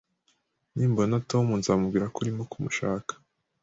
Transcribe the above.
Nimbona Tom, nzamubwira ko urimo kumushaka